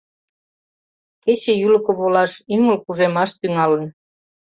Кече ӱлыкӧ волаш, ӱмыл кужемаш тӱҥалын.